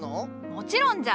もちろんじゃ。